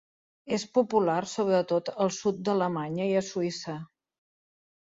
És popular sobretot al sud d'Alemanya i a Suïssa.